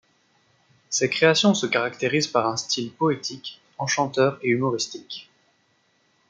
Ses créations se caractérisent par un style poétique, enchanteur et humoristique.